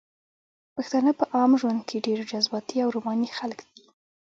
پښتانه په عام ژوند کښې ډېر جذباتي او روماني خلق دي